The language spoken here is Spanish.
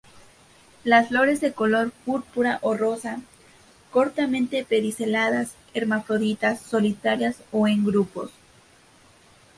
Las flores de color púrpura o rosa, cortamente pediceladas, hermafroditas, solitarias o en grupos.